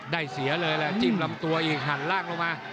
เสียเลยแหละจิ้มลำตัวอีกหันล่างลงมา